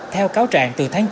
theo cáo trạng từ tháng chín